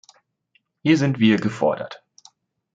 Hier sind wir gefordert.